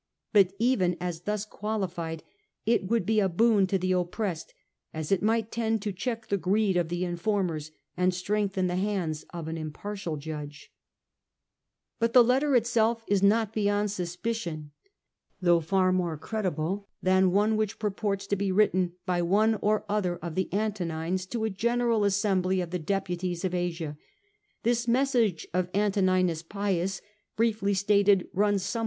But even as thus qualified, it would be a boon to the oppressed, as it might tend to check the greed of the informers, and strengthen the hands of an impartial judge. 140 The Age of the Antonines. ch. vi. But the letter itself is not beyond suspicion, though far more credible than one which purports rescripts of to be Written by one or other of the Antonines andAnto* to a general assembly of the deputies of question!^ Asia. The message, briefly stated, runs some able.